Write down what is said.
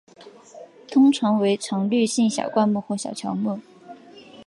通常为常绿性小灌木或小乔木。